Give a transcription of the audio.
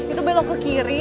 itu belok ke kiri